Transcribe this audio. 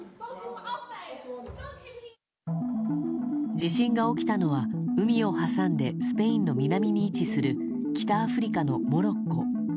地震が起きたのは海を挟んでスペインの南に位置する北アフリカのモロッコ。